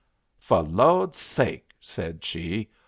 "Fo' Lawd's sake!" said she.